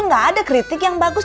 gak ada kritik yang bagus